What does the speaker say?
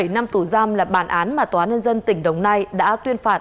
bảy năm tù giam là bản án mà tòa án nhân dân tỉnh đồng nai đã tuyên phạt